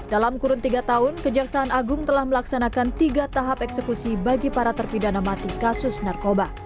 dalam kurun tiga tahun kejaksaan agung telah melaksanakan tiga tahap eksekusi bagi para terpidana mati kasus narkoba